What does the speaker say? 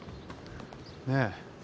ねえ。